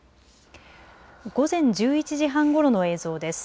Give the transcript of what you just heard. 午前１１時半ごろの映像です。